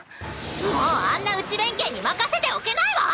もうあんな内弁慶に任せておけないわ！